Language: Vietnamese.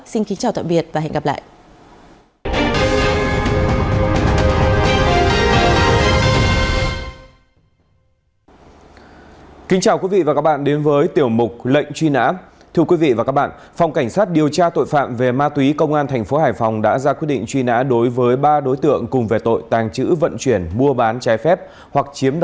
xin kính chào tạm biệt và hẹn gặp lại